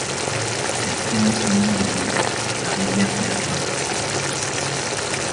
Elle tirait son nom de l'Isle, la rivière qui la traversait.